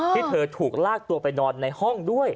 ที่เธอถูกลากตัวไปนอนในห้องด้วย